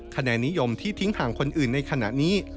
คะแนนนิยมที่ทิ้งห่างคนอื่นในขณะนี้